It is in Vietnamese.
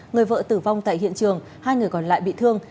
người vợ tử vong tại hiện trường hai người còn lại bị thương